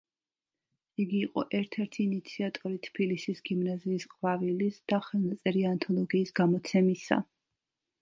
იგი იყო ერთ-ერთი ინიციატორი „თბილისის გიმნაზიის ყვავილის“ და ხელნაწერი ანთოლოგიის გამოცემისა.